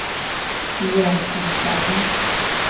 Yo ataba.